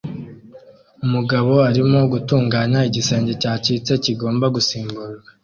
Umugabo arimo gutunganya igisenge cyacitse kigomba gusimburwa